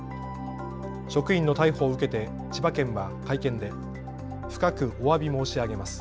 職員の逮捕を受けて千葉県は会見で深くおわび申し上げます。